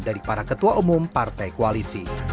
dari para ketua umum partai koalisi